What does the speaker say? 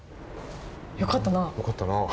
よかったなあ。